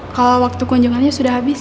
kalau waktu kunjungannya sudah habis